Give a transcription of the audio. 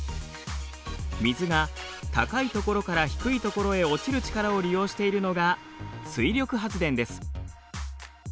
水が高い所から低い所へ落ちる力を利用しているのが水力発電です。